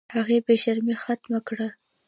هغه بې شرمۍ ختمې کړم.